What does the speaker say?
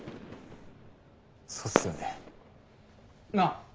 そうっすよね。なぁ